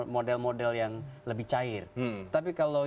model model yang lebih cair tapi kalau